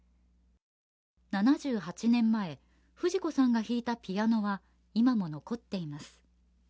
７８年前、フジコさんが弾いたピアノが今も残っています。